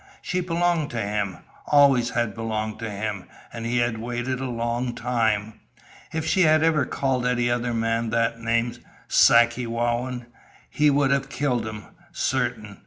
She belonged to him. Always had belonged to him, and he had waited a long time. If she had ever called any other man that name Sakewawin he would have killed him. Certain.